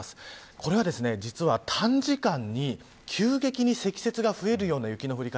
これは実は短時間に急激に積雪が増えるような雪の降り方。